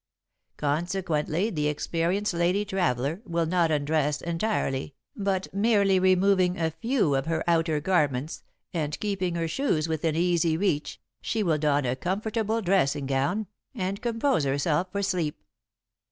Consequently the experienced lady traveller will not undress entirely, but merely removing a few of her outer garments, and keeping her shoes within easy reach, she will don a comfortable dressing gown, and compose herself for sleep.